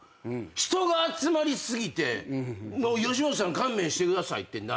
人が集まり過ぎてもう吉本さん勘弁してくださいってなる。